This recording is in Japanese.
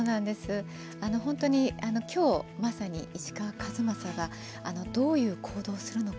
本当に今日、まさに石川数正がどういう行動をするのか。